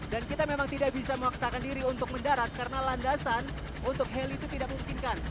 kita memang tidak bisa memaksakan diri untuk mendarat karena landasan untuk heli itu tidak memungkinkan